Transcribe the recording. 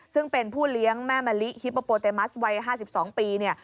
ซึ่งเป็นผู้เลี้ยงแม่มะลิฮิปโปเตมัสวัย๕๒ปีเนี่ย